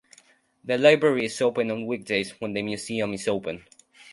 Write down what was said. The library is open on weekdays when the museum is open.